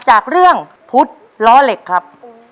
จากเรื่องพุทธล้อเหล็กครับ